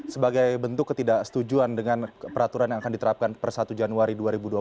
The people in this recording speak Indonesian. sebagai bentuk ketidaksetujuan dengan peraturan yang akan diterapkan per satu januari dua ribu dua puluh